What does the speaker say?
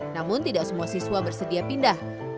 namun tidak semua siswa bersedia pindah